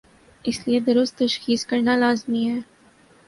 اس لئے درست تشخیص کرنالازمی ہے۔